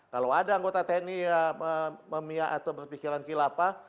kalau ada anggota tni yang memiak atau berpikiran kilapa